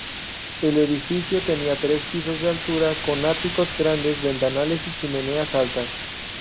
El edificio tenía tres pisos de altura con áticos, grandes ventanales y chimeneas altas.